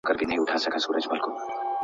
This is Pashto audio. پانګه د اقتصادي نظام د ثبات لپاره مهمه ده.